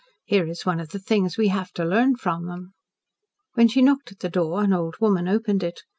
Here is one of the things we have to learn from them." When she knocked at the door an old woman opened it.